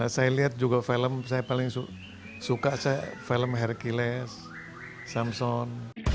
saya lihat juga film saya paling suka film hercules samson